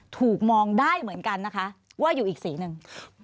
ถูกมองได้เหมือนกันนะคะว่าอยู่อีกสีหนึ่ง